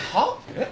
えっ？